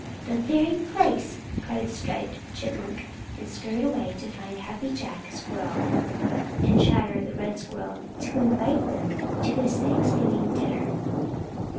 "The very place!" cried Striped Chipmunk, and scurried away to find Happy Jack Squirrel and Chatterer the Red Squirrel to invite them to his Thanksgiving dinner.